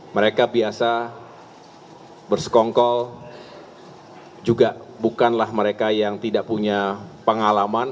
mereka biasa bersekongkol juga bukanlah mereka yang tidak punya pengalaman